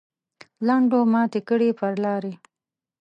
لنډو ماتې کړې پر لارې.